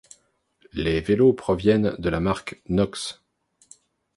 Les vélos proviennent de la marque Nox.